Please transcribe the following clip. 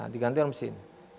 diganti oleh mesin